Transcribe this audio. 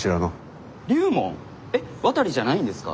えっ渡じゃないんですか？